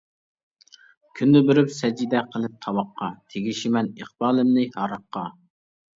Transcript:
كۈندە بېرىپ سەجدە قىلىپ تاۋاققا، تېگىشىمەن ئىقبالىمنى ھاراققا.